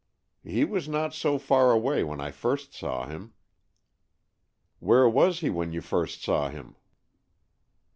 "He was not so far away when I first saw him." "Where was he when you first saw him?"